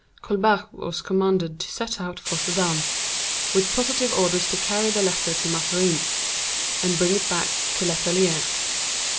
Colbert was commanded to set out for Sedan, with positive orders to carry the letter to Mazarin, and bring it back to Letellier.